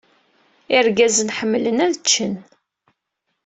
Irgazen ḥemmlen ad ččen.